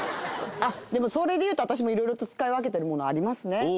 でもそれで言うと私もいろいろと使い分けてるものありますね。